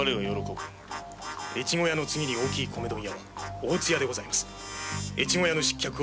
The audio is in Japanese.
越後屋の次の米問屋は大津屋でございます。